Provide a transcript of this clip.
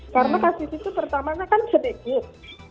karena kasus itu pertamanya kan sedikit